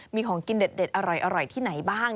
มีของกินเด็ดอร่อยที่ไหนบ้าง